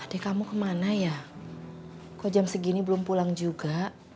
ya bu adek kamu kemana ya kok jam segini belum pulang juga